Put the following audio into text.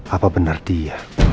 apa benar dia